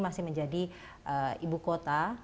masih menjadi ibu kota